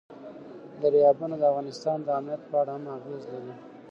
دریابونه د افغانستان د امنیت په اړه هم اغېز لري.